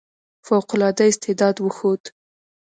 فوق العاده استعداد وښود.